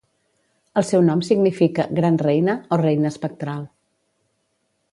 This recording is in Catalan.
El seu nom significa 'Gran Reina' o 'Reina Espectral'.